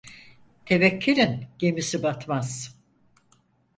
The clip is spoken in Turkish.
Tevekkelin gemisi batmaz.